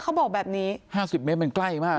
เขาบอกแบบนี้๕๐เมตรมันใกล้มาก